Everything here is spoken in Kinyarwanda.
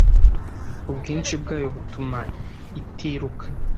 ubwinshi bwayo butuma itiruka